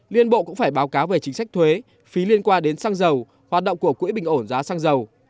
liên bộ cũng phải báo cáo về chính sách thuế phí liên quan đến xăng dầu hoạt động của quỹ bình ổn giá xăng dầu